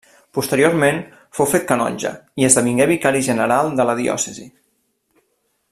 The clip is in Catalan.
Posteriorment fou fet canonge i esdevingué vicari general de la diòcesi.